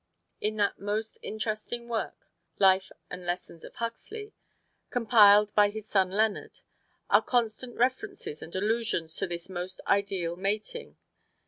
In that most interesting work, "Life and Lessons of Huxley," compiled by his son Leonard, are constant references and allusions to this most ideal mating.